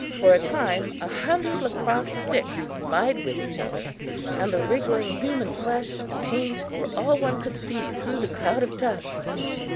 For a time, a hundred lacrosse sticks vied with each other, and the wriggling human flesh and paint were all one could see through the cloud of dust.